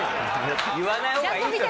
言わない方がいいですよ